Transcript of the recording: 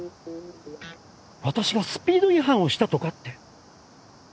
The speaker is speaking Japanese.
私がスピード違反をしたとかって。